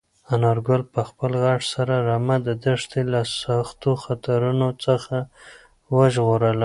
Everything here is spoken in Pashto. انارګل په خپل غږ سره رمه د دښتې له سختو خطرونو څخه وژغورله.